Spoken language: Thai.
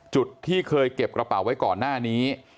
จุดที่เคยเก็บกระเป๋าไว้ก่อนหน้านี้